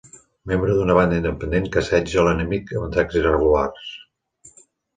Membre d'una banda independent que assetja l'enemic amb atacs irregulars